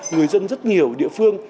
người dân rất nhiều địa phương